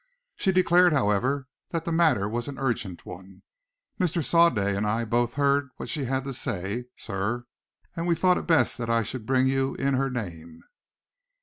She declared, however, that the matter was an urgent one. Mr. Sawday and I both heard what she had to say, sir, and we thought it best that I should bring you in her name."